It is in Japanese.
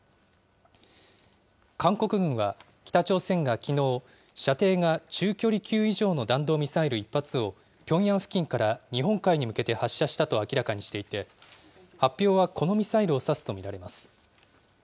韓国軍は、北朝鮮がきのう、射程が中距離級以上の弾道ミサイル１発をピョンヤン付近から日本海に向けて発射したと明らかにしていて、発表はこのミサイルをさすと見られます。